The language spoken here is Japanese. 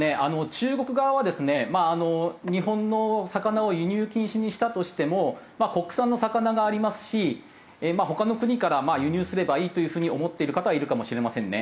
中国側はですね日本の魚を輸入禁止にしたとしても国産の魚がありますし他の国から輸入すればいいという風に思っている方はいるかもしれませんね。